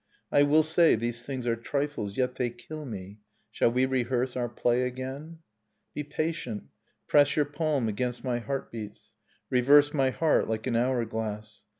I will say: these thing are trifles, yet they kill me. Shall we rehearse our play again? Be patient, press your palm against my heartbeats. Reverse my heart like an hour glass.